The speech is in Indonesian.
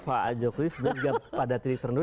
pak jokowi sebenarnya pada tingkat tertentu